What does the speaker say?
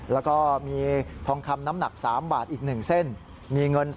แล้วก็มีทองคำน้ำหนัก๓บาทอีก๑เส้นมีเงิน